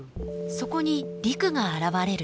そこに陸が現れる。